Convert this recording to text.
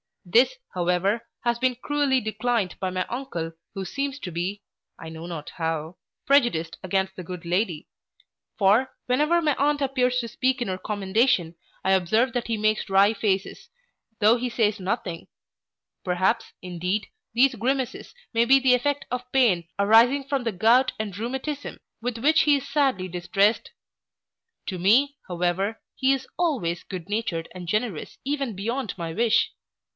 This, however, has been cruelly declined by my uncle who seems to be (I know not how) prejudiced against the good lady; for, whenever my aunt happens to speak in her commendation, I observe that he makes wry faces, though he says nothing Perhaps, indeed, these grimaces may be the effect of pain arising from the gout and rheumatism, with which he is sadly distressed To me, however, he is always good natured and generous, even beyond my wish.